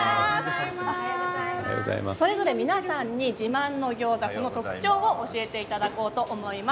それぞれ皆さんに自慢の餃子の特徴を教えていただこうと思います。